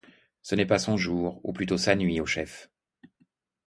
Ce n’est pas son jour, ou plutôt sa nuit, au chef.